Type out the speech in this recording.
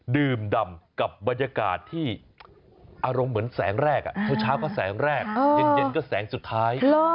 ดื่มดำกับบรรยากาศที่อารมณ์เหมือนแสงแรกเช้าก็แสงแรกเย็นก็แสงสุดท้าย